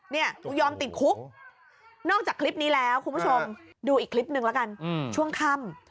เนี่ยกูยอมติดคุกนอกจากคลิปนี้แล้วคุณผู้ชมดูอีกคลิปนึงแล้วกันช่วงค่ำ